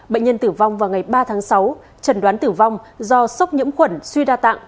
bệnh nhân tử vong vào ngày ba tháng sáu trần đoán tử vong do sốc nhiễm khuẩn suy đa tạng